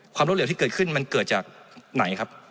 ความรับผิดชอบที่เกิดขึ้นมันเกิดจากไหนครับ